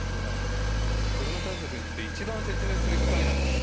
コロナ対策について、一番説明する機会なんですよ。